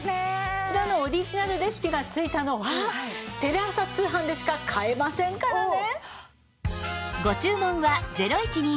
こちらのオリジナルレシピが付いたのはテレ朝通販でしか買えませんからね！